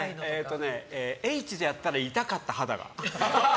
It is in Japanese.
Ｈだったら痛かった、肌が。